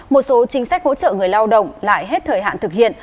một số chính sách hỗ trợ người lao động lại hết thời hạn thực hiện